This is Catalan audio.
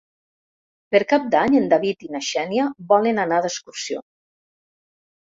Per Cap d'Any en David i na Xènia volen anar d'excursió.